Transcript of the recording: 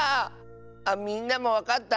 みんなもわかった？